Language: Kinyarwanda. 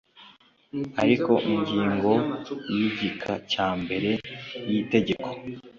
ariko ingingo y’igika cya mbere y’Itegeko.